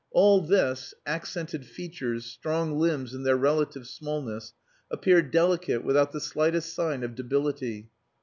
All this, accented features, strong limbs in their relative smallness, appeared delicate without the slightest sign of debility.